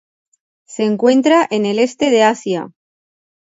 Se encuentra en el este de Asia.